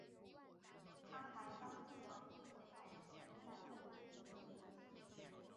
她还帮助广东队在接力赛跑中夺得第三。